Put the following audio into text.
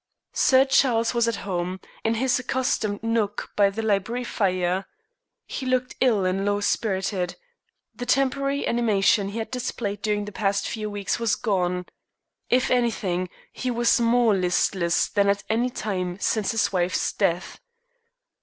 Sir Charles was at home, in his accustomed nook by the library fire. He looked ill and low spirited. The temporary animation he had displayed during the past few weeks was gone. If anything, he was more listless than at any time since his wife's death.